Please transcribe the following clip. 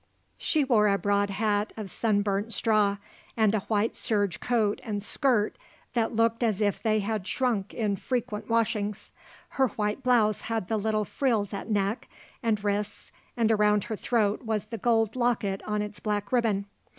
She wore a broad hat of sun burnt straw and a white serge coat and skirt that looked as if they had shrunk in frequent washings. Her white blouse had the little frills at neck and wrists and around her throat was the gold locket on its black ribbon.